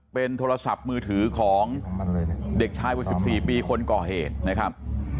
เป็นโทรศัพท์มือถือของเด็กชายวัย๑๔ปีคนก่อเหตุนะครับ